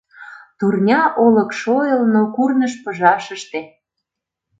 Турня олык шойылно курныж пыжашыште!